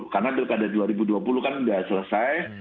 karena pilkada dua ribu dua puluh kan sudah selesai